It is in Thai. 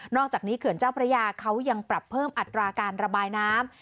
อกจากนี้เขื่อนเจ้าพระยาเขายังปรับเพิ่มอัตราการระบายน้ำ